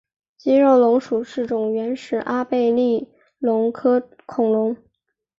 肌肉龙属是种原始阿贝力龙科恐龙。